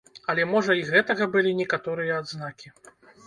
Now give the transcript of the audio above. Але можа і гэтага былі некаторыя адзнакі.